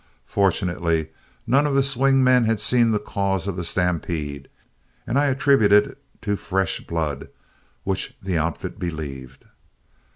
Fortunately none of the swing men had seen the cause of the stampede, and I attributed it to fresh blood, which the outfit believed.